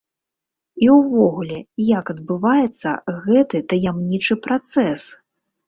І ўвогуле, як адбываецца гэты таямнічы працэс?